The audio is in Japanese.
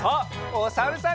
おさるさん。